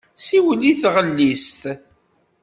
Siwel i taɣellist!